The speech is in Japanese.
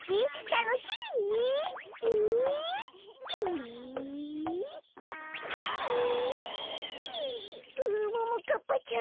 ううももかっぱちゃん